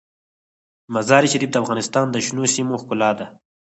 مزارشریف د افغانستان د شنو سیمو ښکلا ده.